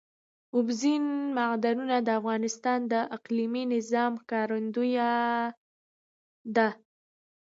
اوبزین معدنونه د افغانستان د اقلیمي نظام ښکارندوی ده.